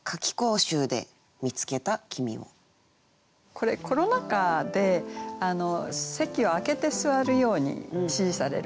これコロナ禍で席を空けて座るように指示されるわけですね。